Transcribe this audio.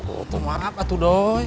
aku mau aap atuh doi